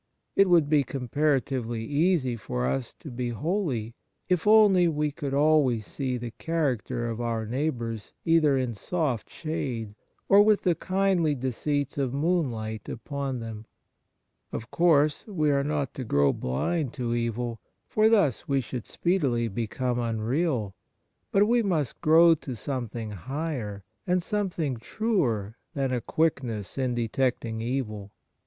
It would be comparatively easy for us to be holy if only we could always see the character of our neighbours either in soft shade or with the kindly deceits of moonlight upon them. Of course, we are not to grow blind to evil, for thus we should speedily become unreal ; but we must grow to something higher, and something truer, than a quick ness in detecting evil.